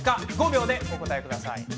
５秒でお答えください。